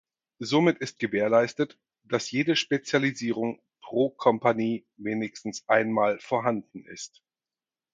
Somit ist gewährleistet, dass jede Spezialisierung pro Kompanie wenigstens einmal vorhanden ist.